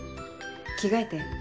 着替えて。